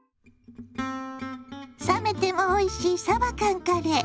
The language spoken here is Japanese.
冷めてもおいしいさば缶カレー。